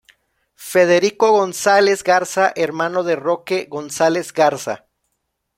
Federico González Garza -hermano de Roque González Garza-.